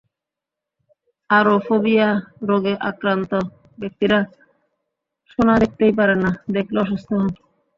Aurophobia রোগে আক্রান্ত ব্যক্তিরা সোনা দেখতেই পারেন না, দেখলে অসুস্থ হন।